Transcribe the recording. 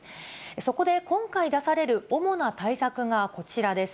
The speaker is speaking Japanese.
そこで今回出される主な対策がこちらです。